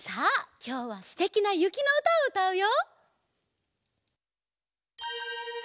きょうはすてきなゆきのうたをうたうよ！